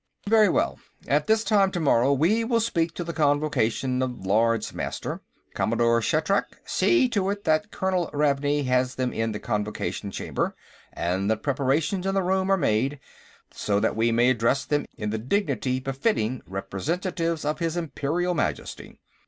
"Very well. At this time tomorrow, we will speak to the Convocation of Lords Master. Commodore Shatrak, see to it that Colonel Ravney has them in the Convocation Chamber, and that preparations in the room are made, so that we may address them in the dignity befitting representatives of his Imperial Majesty."